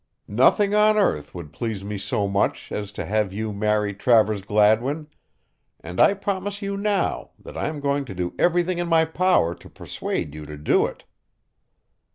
"Nothing on earth would please me so much as to have you marry Travers Gladwin, and I promise you now that I am going to do everything in my power to persuade you to do it."